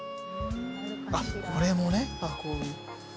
あっこれもね。えっ？